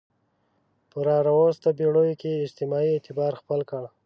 په راوروسته پېړیو کې اجماع اعتبار خپل کړ